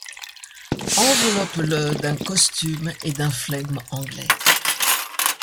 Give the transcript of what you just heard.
Enveloppe-le d'un costume et d'un flegme anglais.